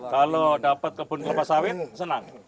kalau dapat kebun kelapa sawit senang